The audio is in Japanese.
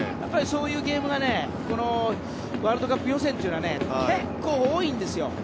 そういうゲームがワールドカップ予選というのは結構、多いんですよ。